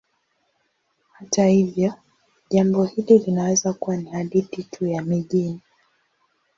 Hata hivyo, jambo hili linaweza kuwa ni hadithi tu ya mijini.